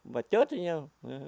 và chết với nhau